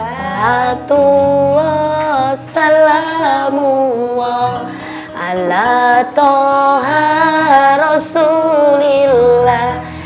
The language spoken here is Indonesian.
salatullah salamu'ala toha rasulillah